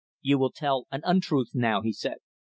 "You will tell an untruth now," he said.